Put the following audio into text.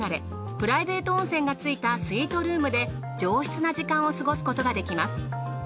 プライベート温泉が付いたスイートルームで上質な時間を過ごすことができます。